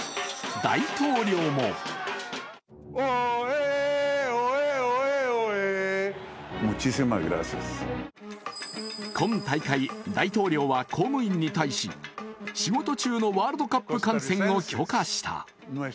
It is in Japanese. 大統領も今大会、大統領は公務員に対し仕事中のワールドカップ観戦を許可した。